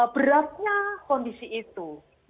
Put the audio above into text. beratnya kondisi itu